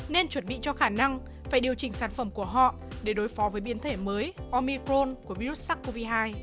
nên chuẩn bị cho khả năng phải điều chỉnh sản phẩm của họ để đối phó với biến thể mới omipron của virus sars cov hai